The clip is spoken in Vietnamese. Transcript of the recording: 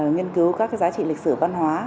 nghiên cứu các giá trị lịch sử văn hóa